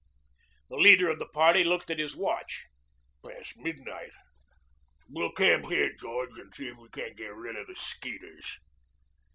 The leader of the party looked at his watch. "Past midnight. We'll camp here, George, and see if we can't get rid of the 'skeeters."